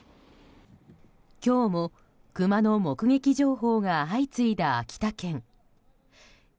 今日もクマの目撃情報が相次いだ秋田県。